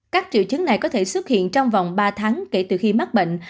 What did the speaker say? các triệu chứng này có thể xuất hiện trong vòng ba tháng kể từ khi mắc bệnh